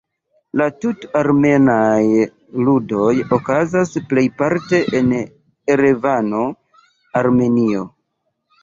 La Tut-armenaj Ludoj okazas plejparte en Erevano, Armenio.